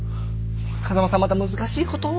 風間さんまた難しいことを。